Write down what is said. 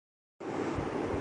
کم از کم وہ نہ تھی۔